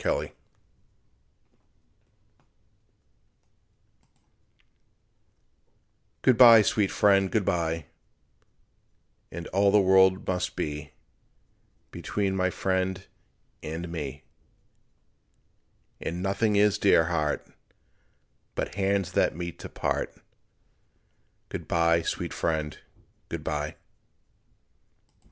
VALE Good bye, sweet friend, good bye, And all the world must be Between my friend and me; And nothing is, dear heart, But hands that meet to part; Good bye, sweet friend, good bye.